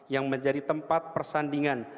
yang menjadi tempat persandingan